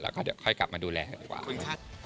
แล้วก็ค่อยกลับมาดูแลก่อน